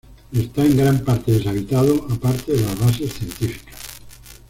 Está en gran parte deshabitado, aparte de las bases científicas.